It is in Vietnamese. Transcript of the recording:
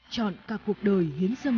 chọn cả cuộc đời hiến dâm cho đảng